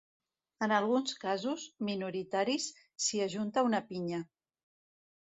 En alguns casos, minoritaris, s'hi ajunta una pinya.